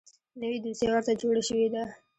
نوې دوسیه ورته جوړه شوې ده .